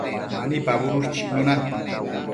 Mani pabudush chicnuna